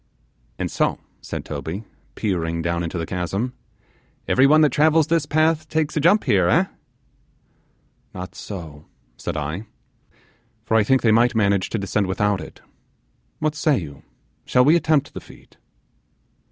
'And so,' said Toby, peering down into the chasm, 'everyone that travels this path takes a jump here, eh?' 'Not so,' said I, 'for I think they might manage to descend without it; what say you, shall we attempt the feat?